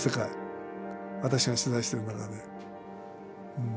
私が取材してる中で。